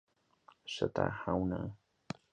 Shota Inoue